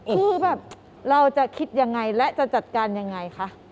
คือแบบเราจะคิดยังไงและจะจัดการยังไงคะ